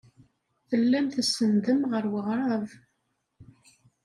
Tellam tsenndem ɣer weɣrab.